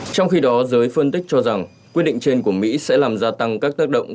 trong khi đó giới phân tích cho rằng quyết định trên của mỹ sẽ làm gia tăng các tác động